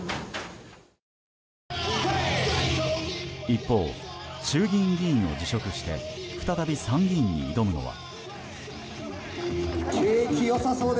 一方、衆議院議員を辞職して再び参議院に挑むのは。